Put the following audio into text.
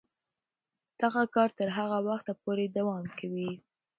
دغه کار تر هغه وخته پورې دوام کوي.